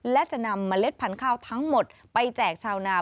และจะนำเมล็ดพันธุ์ข้าวทั้งหมดไปแจกชาวนา